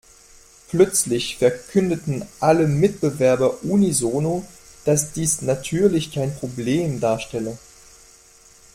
Plötzlich verkündeten alle Mitbewerber unisono, dass dies natürlich kein Problem darstelle.